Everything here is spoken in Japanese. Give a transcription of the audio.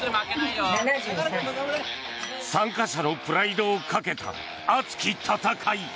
参加者のプライドをかけた熱き戦い。